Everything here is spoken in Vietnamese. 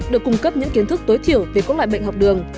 được cung cấp những kiến thức tối thiểu về các loại bệnh học đường